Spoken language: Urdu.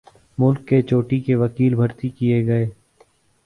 ملک کے چوٹی کے وکیل بھرتی کیے گئے۔